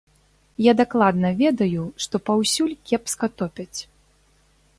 Я дакладна ведаю, што паўсюль кепска топяць.